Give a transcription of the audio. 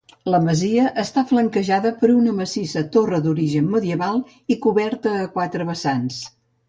La masia està flanquejada per una massissa torre d'origen medieval i coberta a quatre vessants.